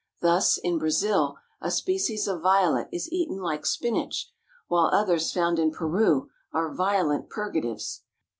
Thus, in Brazil a species of Violet is eaten like spinach, while others found in Peru are violent purgatives.